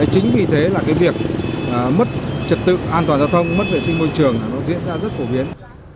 chính vì thế việc mất trật tự an toàn giao thông mất vệ sinh môi trường diễn ra rất phổ biến